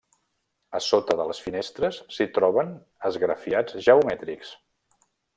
A sota de les finestres s'hi troben esgrafiats geomètrics.